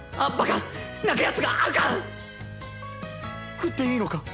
食っていいのか？